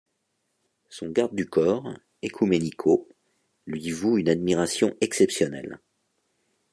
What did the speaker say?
Son garde-du-corps, Ecuménico, lui voue une admiration exceptionnelle.